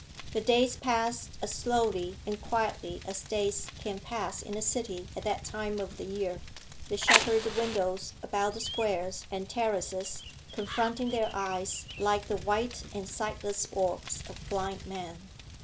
The days passed as slowly and quietly as days can pass in a city at that time of the year, the shuttered windows about the squares and terraces confronting their eyes like the white and sightless orbs of blind men.